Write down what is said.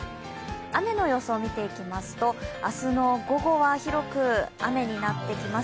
雨の予想見ていきますと、明日の午後は広く雨になってきます。